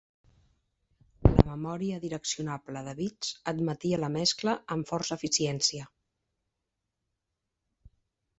La memòria direccionable de bits admetia la mescla amb força eficiència.